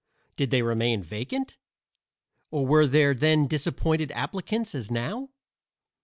Did they remain vacant, or were there then disappointed applicants, as now?